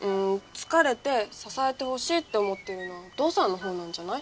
疲れて支えてほしいって思ってるのはお父さんのほうなんじゃない？